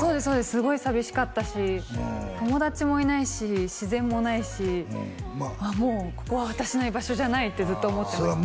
すごい寂しかったし友達もいないし自然もないしもうここは私の居場所じゃないってずっと思ってました